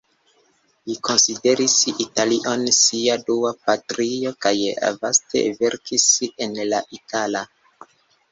Li konsideris Italion sia dua patrio kaj vaste verkis en la itala.